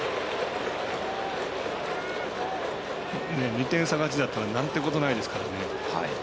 ２点差勝ちだったらなんてことないですからね。